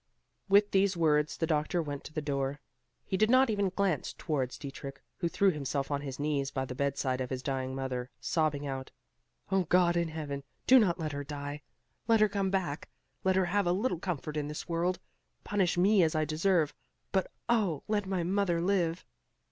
With these words the doctor went to the door. He did not even glance towards Dietrich, who threw himself on his knees by the bedside of his dying mother, sobbing out: "O God in Heaven, do not let her die! Let her come back! Let her have a little comfort in this world! Punish me as I deserve, but oh! let my mother live!"